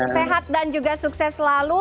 sehat dan juga sukses selalu